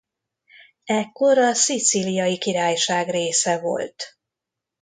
Ekkor a Szicíliai Királyság része volt.